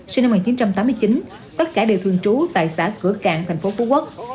sinh năm một nghìn chín trăm tám mươi chín tất cả đều thường trú tại xã cửa cạn tp phú quốc